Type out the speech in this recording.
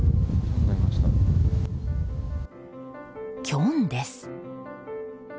キョンです。